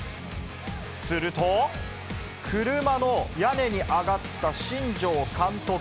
すると、車の屋根に上がった新庄監督。